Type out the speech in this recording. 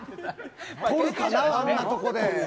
とるかな、あんなとこで。